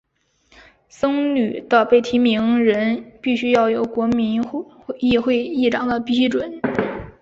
僧侣的被提名人必须要有国民议会议长的批准。